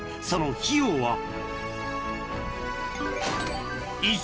［その費用は］